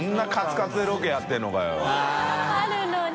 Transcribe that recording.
あるのに！